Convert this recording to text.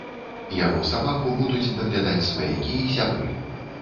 Яго сабаку будуць даглядаць сваякі і сябры.